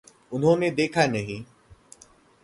उन्होंने देखा नहीं।